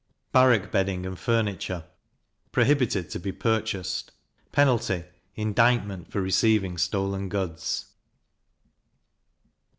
Barrack Bedding and Furniture prohibited to be purchased: penalty indictment for receiving stolen goods.